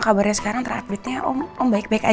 kabarnya sekarang terupdate nya om